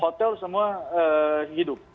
hotel semua hidup